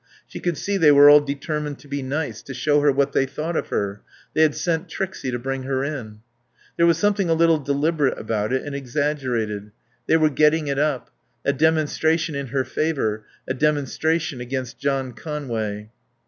She could see they were all determined to be nice, to show her what they thought of her; they had sent Trixie to bring her in. There was something a little deliberate about it and exaggerated. They were getting it up a demonstration in her favour, a demonstration against John Conway.